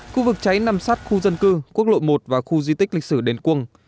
khu vực cháy nằm sát khu dân cư quốc lộ một và khu di tích lịch sử đền quân